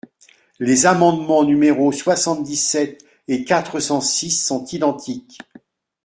Les amendements numéros soixante-dix-sept et quatre cent six sont identiques.